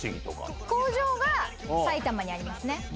工場が埼玉にあります。